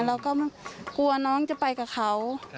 เราก็กลัวน้องจะไปกับเขา